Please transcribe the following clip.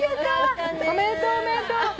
おめでとうおめでとう。